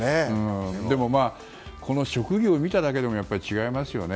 でも、この職業を見ただけでも違いますよね。